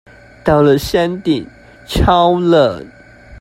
到了山頂超冷